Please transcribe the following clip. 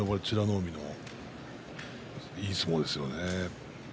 海のいい相撲ですよね。